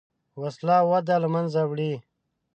وسله وده له منځه وړي